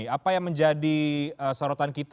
apa yang menjadi sorotan kita